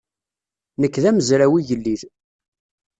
Nekk d amezraw igellil.